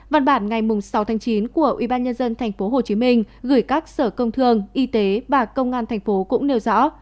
văn bản ngày sáu tháng chín của ubnd tp hcm gửi các sở công thương y tế và công an tp cũng nêu rõ